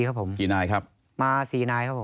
กี่นายครับมา๔นายครับผม